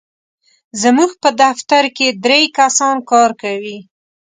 زموږ په دفتر کې درې کسان کار کوي.